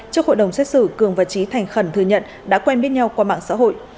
trước hội đồng xét xử cường và trí thành khẩn thừa nhận đã quen biết nhau qua mạng xã hội